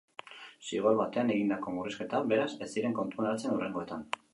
Zigor batean egindako murrizketak, beraz, ez ziren kontuan hartzen hurrengoetan.